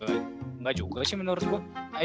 enggak juga sih menurut saya